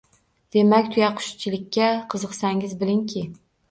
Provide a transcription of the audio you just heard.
Demak, tuyaqushchilikka qiziqsangiz bilingki: